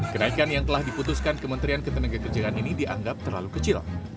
kenaikan yang telah diputuskan kementerian ketenagakerjaan ini dianggap terlalu kecil